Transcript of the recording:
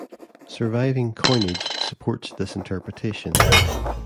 Surviving coinage supports this interpretation.